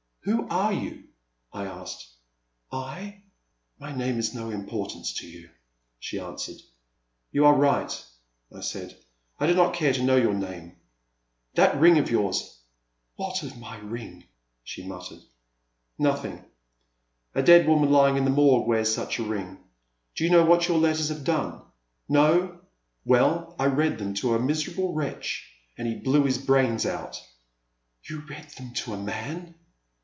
Who are you ?" I asked. I ? My name is of no importance to you," she answered. You are right," I said, I do not care to know your name. That ring of yours "What of my ring ?" she murmured. Nothing, — a dead woman Ijdng in the Morgue wears such a ring. Do you know what your letters have done ? No ? Well I read them to a miserable wretch and he blew his brains out !"You read them to a man